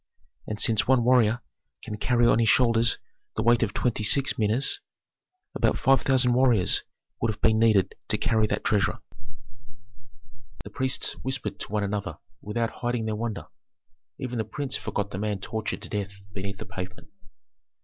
And since one warrior can carry on his shoulders the weight of twenty six minas, about five thousand warriors would have been needed to carry that treasure." Mina = one and a half kilograms. The priests whispered to one another without hiding their wonder. Even the prince forgot the man tortured to death beneath the pavement.